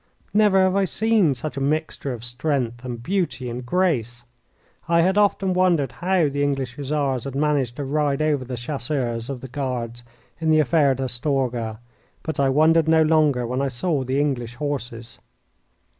Never have I seen such a mixture of strength and beauty and grace. I had often wondered how the English Hussars had managed to ride over the chasseurs of the Guards in the affair at Astorga, but I wondered no longer when I saw the English horses.